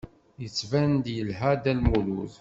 Yettban-d yelha Dda Lmulud.